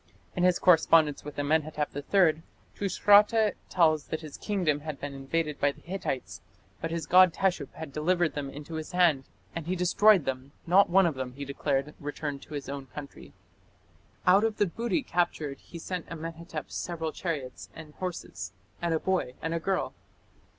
In his correspondence with Amenhotep III Tushratta tells that his kingdom had been invaded by the Hittites, but his god Teshup had delivered them into his hand, and he destroyed them; "not one of them", he declared, "returned to his own country". Out of the booty captured he sent Amenhotep several chariots and horses, and a boy and a girl.